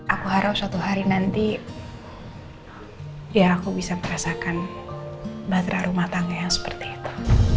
aku harap suatu hari nanti biar aku bisa merasakan baterai rumah tangga yang seperti itu